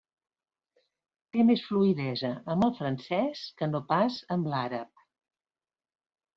Té més fluïdesa amb el francès que no pas amb l'àrab.